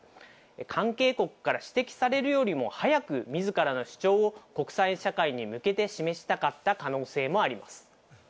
関係国から指摘されるよりも早く、自らの主張を国際社会に向けて示したかった可能性もあります。